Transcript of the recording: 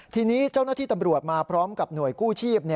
ทีนี้เจ้าหน้าที่ตำรวจมาพร้อมกับหน่วยกู้ชีพ